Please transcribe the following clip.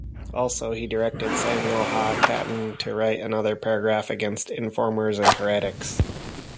Also, he directed Samuel ha-Katan to write another paragraph against informers and heretics.